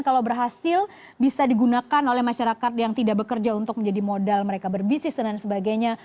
kalau berhasil bisa digunakan oleh masyarakat yang tidak bekerja untuk menjadi modal mereka berbisnis dan lain sebagainya